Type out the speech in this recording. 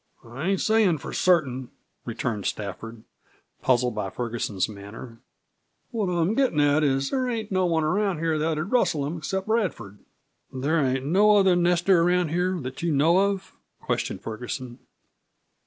"I ain't sayin' for certain," returned Stafford, puzzled by Ferguson's manner. "What I'm gettin' at is that there ain't no one around here that'd rustle them except Radford." "There ain't no other nester around here that you know of?" questioned Ferguson.